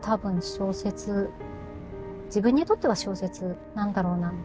自分にとっては小説なんだろうな。